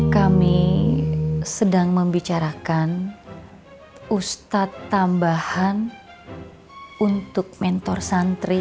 kami sedang membicarakan ustadz tambahan untuk mentor santri